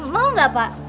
mau nggak pak